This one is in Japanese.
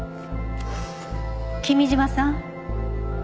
君嶋さん。